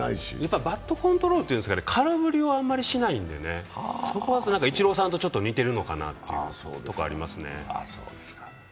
バットコントロールというんですかね、空振りをあんまりしないんでね、そこはイチローさんと似てるのかなというところありますね。